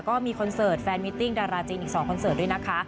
คอนเสิร์ตแฟนมิติ้งดาราจีนอีก๒คอนเสิร์ตด้วยนะคะ